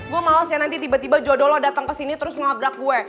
gue malesnya nanti tiba tiba jodoh lo datang ke sini terus ngabrak gue